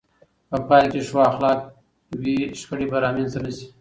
په پایله کې چې ښو اخلاق وي، شخړې به رامنځته نه شي.